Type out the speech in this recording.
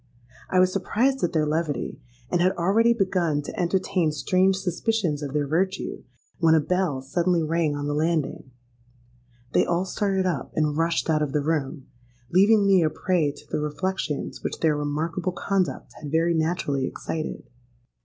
I was surprised at their levity, and had already begun to entertain strange suspicions of their virtue, when a bell suddenly rang on the landing. They all started up, and rushed out of the room—leaving me a prey to the reflections which their remarkable conduct had very naturally excited.